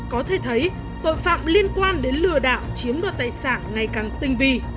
có thể thấy tội phạm liên quan đến lừa đảo chiếm đoạt tài sản ngày càng tinh vi